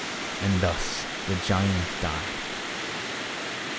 And thus the giant died.